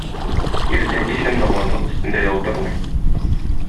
Иртә-кичен намазлык өстендә дә утырмый.